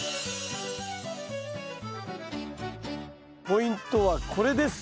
ポイントはこれです。